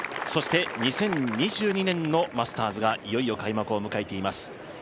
そして、２０２２年のマスターズがいよいよ開幕を迎えています。